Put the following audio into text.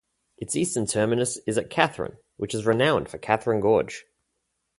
Its eastern terminus is at Katherine which is renowned for Katherine Gorge.